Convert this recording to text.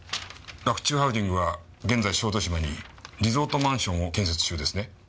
洛中ハウジングは現在小豆島にリゾートマンションを建設中ですね？